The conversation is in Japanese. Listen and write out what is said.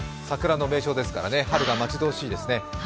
桜の名所ですからね、春が待ち遠しいですね。